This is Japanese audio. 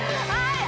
はい！